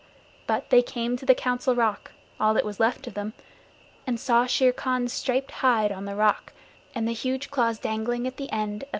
But they came to the Council Rock, all that were left of them, and saw Shere Khan's striped hide on the rock, and the huge claws dangling at the end of the empty dangling feet.